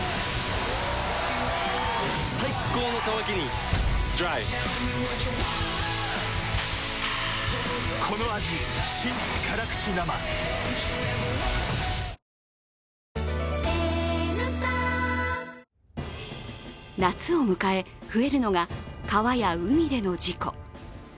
最高の渇きにＤＲＹ夏を迎え、増えるのが川や海での事故。